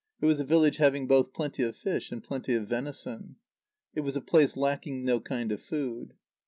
It was a village having both plenty of fish and plenty of venison. It was a place lacking no kind of food.